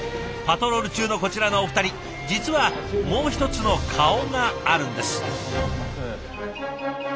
パトロール中のこちらのお二人実はもう一つの顔があるんです。